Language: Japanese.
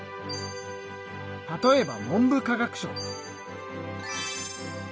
例えば文部科学省。